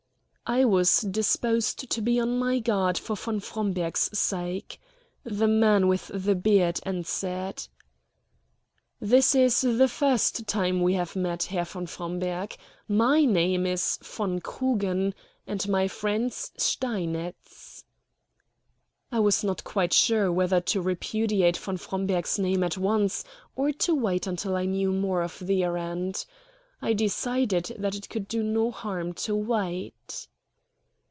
I was disposed to be on my guard for von Fromberg's sake. The man with the beard answered. "This is the first time we have met, Herr von Fromberg. My name is von Krugen, and my friend's Steinitz." I was not quite sure whether to repudiate von Fromberg's name at once, or to wait until I knew more of the errand. I decided that it could do no harm to wait.